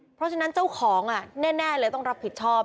เพราะฉะนั้นเจ้าของแน่เลยต้องรับผิดชอบ